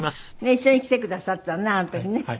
一緒に来てくださったのねあの時ね。